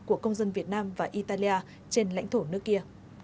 của công dân việt nam và italia trên lãnh thổ nước kia